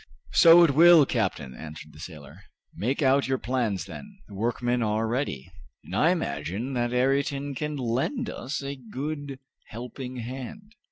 "So it will, captain," answered the sailor. "Make out your plans then; the workmen are ready, and I imagine that Ayrton can lend us a good helping hand."